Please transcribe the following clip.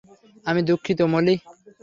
আমি দুঃখিত, মলি।